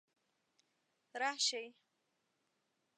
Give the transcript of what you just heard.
راشي